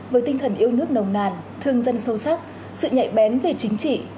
với tinh thần yêu nước nồng nàn thương dân sâu sắc sự nhạy bén về chính trị